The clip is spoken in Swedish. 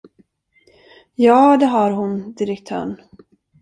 Ja, det har hon, direktörn!